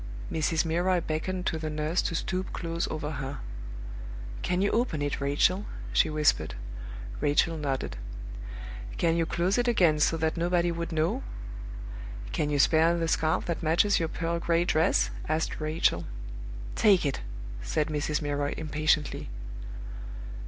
Mrs. Milroy beckoned to the nurse to stoop close over her. "Can you open it, Rachel?" she whispered. Rachel nodded. "Can you close it again, so that nobody would know?" "Can you spare the scarf that matches your pearl gray dress?" asked Rachel. "Take it!" said Mrs. Milroy, impatiently.